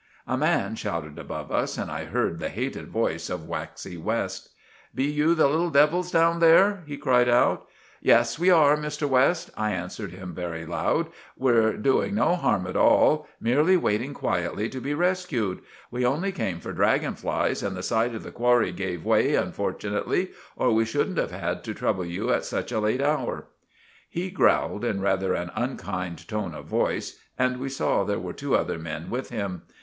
A man shouted above us and I heard the hated voice of Waxy West. "Be you little devils down there?" he cried out. "Yes, we are, Mr West," I answered him very loud. "We're doing no harm at all—merely waiting quietly to be resqued. We only came for draggon flies, and the side of the qwarry gave way unfortunately, or we shouldn't have had to trouble you at such a late hour." He growled in rather an unkind tone of voice, and we saw there were two other men with him.